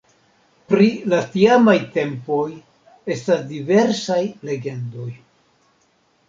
Pri la tiamaj tempoj estas diversaj legendoj.